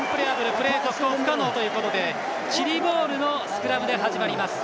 プレー続行不可能ということでチリボールのスクラムで始まります。